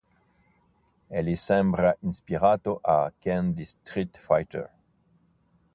Egli sembra ispirato a Ken di Street Fighter.